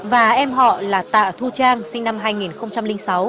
và em họ là tạ thu trang sinh năm hai nghìn sáu